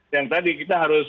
yang tadi kita harus